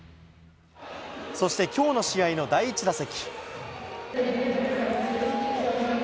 そしてきょうの試合の第１打席。